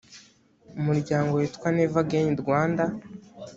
umuryango witwa never again rwanda